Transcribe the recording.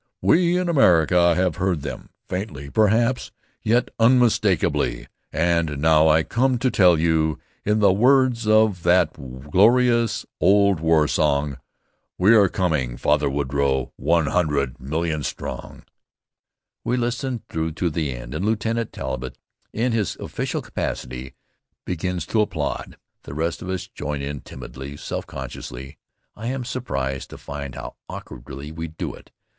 "We in America have heard them, faintly, perhaps, yet unmistakably, and now I come to tell you, in the words of that glorious old war song, 'We are coming, Father Woodrow, ONE HUN DRED MIL LION strong!'" We listen through to the end, and Lieutenant Talbott, in his official capacity, begins to applaud. The rest of us join in timidly, self consciously. I am surprised to find how awkwardly we do it.